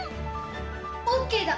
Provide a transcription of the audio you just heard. ＯＫだ。